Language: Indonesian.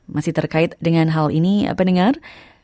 masih terkait dengan hal ini pendengar